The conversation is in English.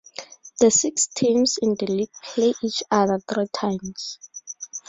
The six teams in the league play each other three times.